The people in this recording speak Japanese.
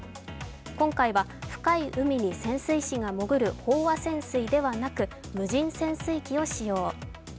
今回は深い海に潜水士が潜る飽和潜水ではなく無人潜水機を使用。